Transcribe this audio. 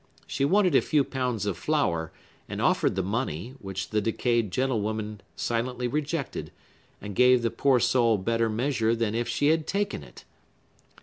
She wanted a few pounds of flour, and offered the money, which the decayed gentlewoman silently rejected, and gave the poor soul better measure than if she had taken it.